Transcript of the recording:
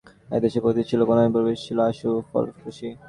এ দেশের প্রকৃতি ছিল কল্যাণময়ী, পরিবেশ ছিল আশু ফলপ্রসূ।